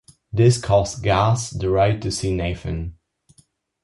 This costs Gaz the right to see Nathan.